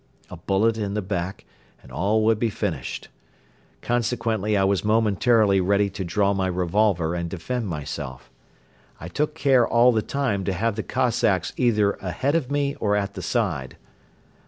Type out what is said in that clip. A bullet in the back and all would be finished. Consequently I was momentarily ready to draw my revolver and defend myself. I took care all the time to have the Cossacks either ahead of me or at the side.